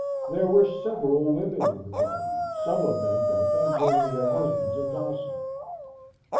There were several women in the party, some of them bent on joining their husbands in Dawson.